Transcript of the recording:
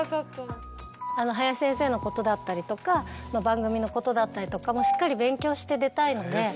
林先生のことだったりとか番組のことだったりとかもうしっかり勉強して出たいので。